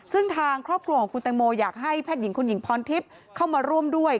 ซึ่งทางครอบครัวของคุณแตงโมอยากให้แพทย์หญิงคุณหญิงพรทิพย์เข้ามาร่วมด้วย